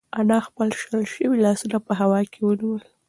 انا خپل شل شوي لاسونه په هوا کې ونیول.